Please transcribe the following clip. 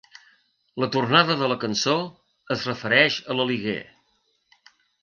La tornada de la cançó es refereix a l'aliguer.